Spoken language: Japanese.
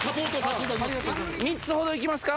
３つほどいきますか。